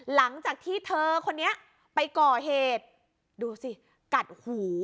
หลังจากที่เธอคนนี้ไปก่อเหตุดูสิกัดหู